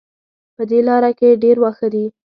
په دې لاره کې ډېر واښه دي